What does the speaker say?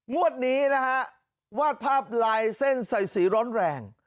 งวดนี้นะฮะวาดภาพลายเส้นใส่สีร้อนแรง